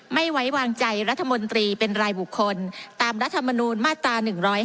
ไม่ไว้วางใจรัฐมนตรีเป็นรายบุคคลตามรัฐมนูลมาตรา๑๕